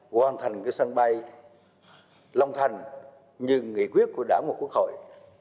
hoàn thành sân bay long thành như nghị quyết của đảng một quốc hội